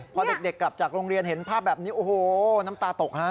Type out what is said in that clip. พอเด็กกลับจากโรงเรียนเห็นภาพแบบนี้โอ้โหน้ำตาตกฮะ